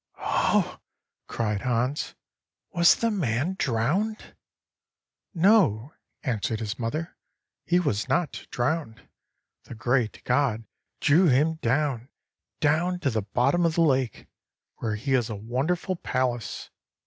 "Oh," cried Hans, "was the man drowned?" "No," answered his mother, "he was not drowned. The great god drew him down, down to the bottom of the lake, where he has a wonderful palace.